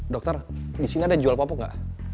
dokter disini ada jual popok gak